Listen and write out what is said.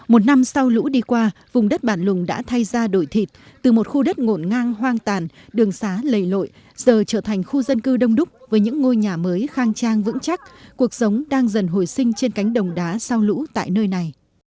một năm sau lũ đi qua vùng đất bản lùng đã thay ra đổi thịt từ một khu đất ngộn ngang hoang tàn đường xá lầy lội giờ trở thành khu dân cư đông đúc với những ngôi nhà mới khang trang vững chắc cuộc sống đang dần hồi sinh trên cánh đồng đá sau lũ tại nơi này